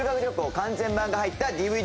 完全版が入ったＤＶＤ。